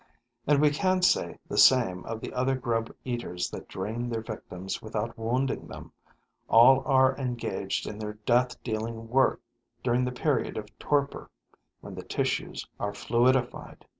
And we can say the same of the other grub eaters that drain their victims without wounding them: all are engaged in their death dealing work during the period of torpor, when the tissues are fluidified.